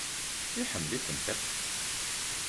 Iḥemmel-ikent akk.